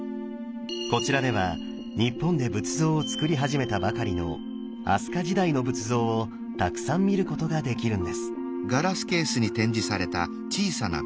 こちらでは日本で仏像をつくり始めたばかりの飛鳥時代の仏像をたくさん見ることができるんです。